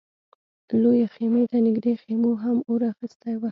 لويې خيمې ته نږدې خيمو هم اور اخيستی و.